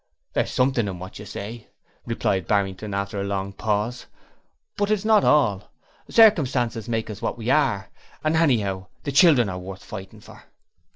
'There's something in what you say,' replied Barrington, after a long pause, 'but it's not all. Circumstances make us what we are; and anyhow, the children are worth fighting for.'